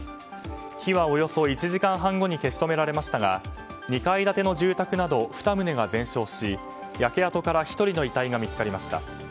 火はおよそ１時間半後に消し止められましたが２階建ての住宅など２棟が全焼し焼け跡から１人の遺体が見つかりました。